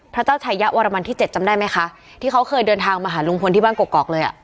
พระเจ้าชายะวรมันที่เจ็ดจำได้ไหมคะที่เขาเคยเดินทางมาหาลุงพลที่บ้านกอกเลยอ่ะ